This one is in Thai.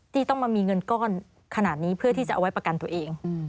ที่ต้องมามีเงินก้อนขนาดนี้เพื่อที่จะเอาไว้ประกันตัวเอง